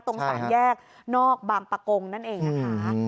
ตรงสามแยกนอกบางปะกงนั่นเองนะคะ